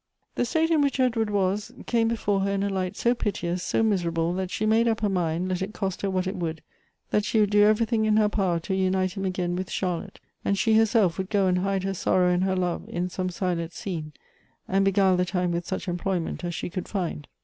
The state in which Edward was, came before her in a light so piteous, so miserable, that she made up her mind, let it cost her what it would, that she would do every thing in her power to unite him again with Charlotte, and she herself would go and hide her sorrow and her love in some silent scene, and beguile the time with such employment as she could find.